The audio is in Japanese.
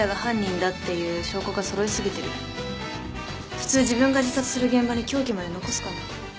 普通自分が自殺する現場に凶器まで残すかな？